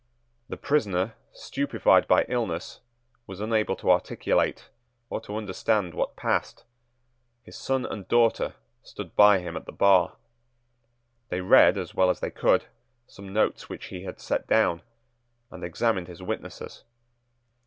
The prisoner, stupefied by illness, was unable to articulate, or to understand what passed. His son and daughter stood by him at the bar. They read as well as they could some notes which he had set down, and examined his witnesses.